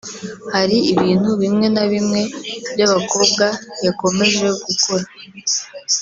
hari ibintu bimwe na bimwe by’abakobwa yakomeje gukora